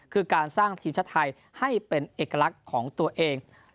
คือการสร้างทีมชาติไทยให้เป็นเอกลักษณ์ของตัวเอง